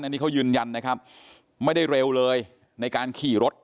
อันนี้เขายืนยันนะครับไม่ได้เร็วเลยในการขี่รถ